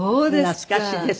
懐かしいです。